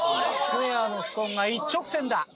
スクエアのストーンが一直線だ。